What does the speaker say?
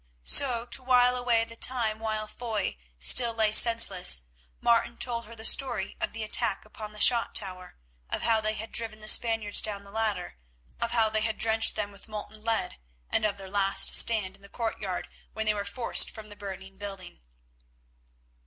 So, to while away the time while Foy still lay senseless, Martin told her the story of the attack upon the shot tower, of how they had driven the Spaniards down the ladder, of how they had drenched them with molten lead, and of their last stand in the courtyard when they were forced from the burning building.